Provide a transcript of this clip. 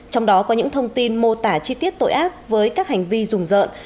trong đó có những thông tin mô tả chi tiết tội ác với các hành vi dùng dợn